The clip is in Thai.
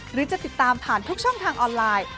หรือจะติดตามผ่านทุกช่องทางออนไลน์